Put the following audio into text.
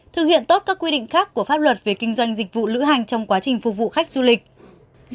thực hiện tốt các quy định khác của pháp luật về kinh doanh dịch vụ lữ hành trong quá trình phục vụ khách du lịch